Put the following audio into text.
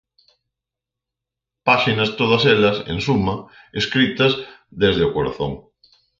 Páxinas todas elas, en suma, escritas desde o corazón.